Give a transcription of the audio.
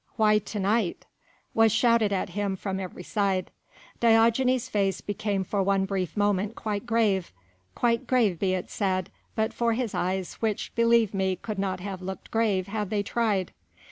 why to night?" was shouted at him from every side. Diogenes' face became for one brief moment quite grave quite grave be it said, but for his eyes which believe me could not have looked grave had they tried.